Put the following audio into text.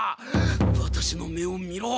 ワタシの目を見ろ！